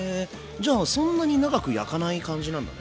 じゃあそんなに長く焼かない感じなんだね。